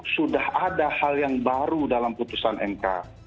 sudah ada hal yang baru dalam putusan mk